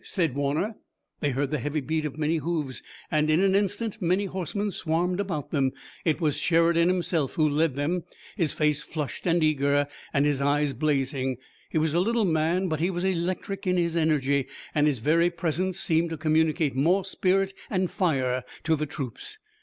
said Warner. They heard the heavy beat of many hoofs and in an instant many horsemen swarmed about them. It was Sheridan himself who led them, his face flushed and eager and his eyes blazing. He was a little man, but he was electric in his energy, and his very presence seemed to communicate more spirit and fire to the troops.